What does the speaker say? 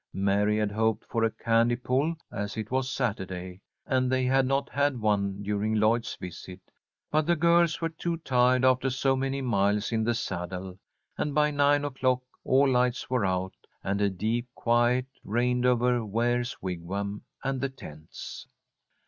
Mary had hoped for a candy pull, as it was Saturday, and they had not had one during Lloyd's visit; but the girls were too tired after so many miles in the saddle, and by nine o'clock all lights were out and a deep quiet reigned over Ware's Wigwam and the tents.